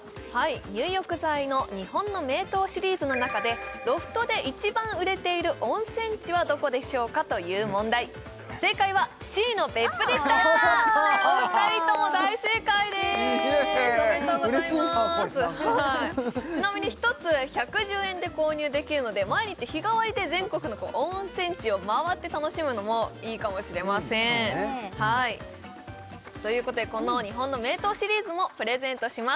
入浴剤の日本の名湯シリーズの中でロフトで一番売れている温泉地はどこでしょうかという問題正解はＣの別府でしたお二人とも大正解ですおめでとうございます嬉しいなこれなんかちなみに１つ１１０円で購入できるので毎日日替わりで全国の温泉地を回って楽しむのもいいかもしれませんということでこの日本の名湯シリーズもプレゼントします